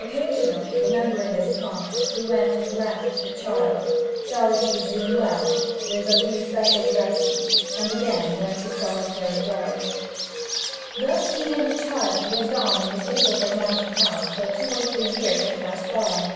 Occasionally, remembering this promise, he went and glanced at the child, saw that he was doing well, gave a few special directions, and again went his solitary way. Thus he and the child lived on in the Stapleford mansion house till two or three years had passed by.